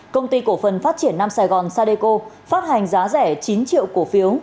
công ty cổ phần phát triển nam sài gòn sadeco phát hành giá rẻ chín triệu cổ phiếu